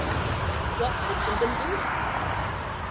What had she been doing?